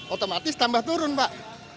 otomatis tambah turun pak